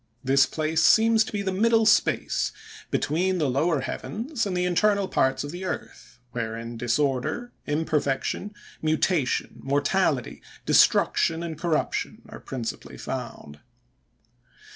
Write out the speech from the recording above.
This place seems to be the middle space, between the lower heavens and the internal parts of the earth, wherein disorder, imperfection, mutation, mortality, destruction, and corruption, are principally found.